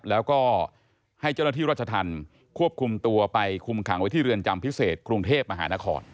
แล้วก็ให้เจ้าหน้าที่รัชธรรมควบคุมตัวไปคุมขังไว้ที่เรือนจำพิเศษกรุงเทพมหานคร